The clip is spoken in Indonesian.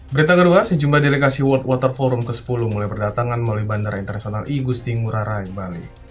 berita kedua sejumlah delegasi world water forum ke sepuluh mulai berdatangan melalui bandara internasional igusti ngurah rai bali